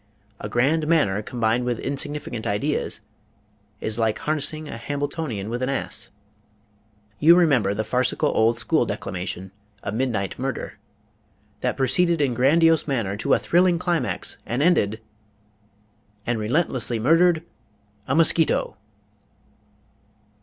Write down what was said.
A grand manner combined with insignificant ideas is like harnessing a Hambletonian with an ass. You remember the farcical old school declamation, "A Midnight Murder," that proceeded in grandiose manner to a thrilling climax, and ended "and relentlessly murdered a mosquito!"